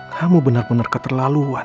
kamu bener bener keterlaluan